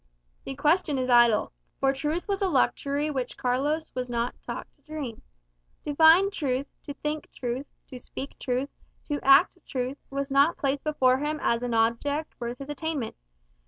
The question is idle, for truth was a luxury of which Carlos was not taught to dream. To find truth, to think truth, to speak truth, to act truth, was not placed before him as an object worth his attainment.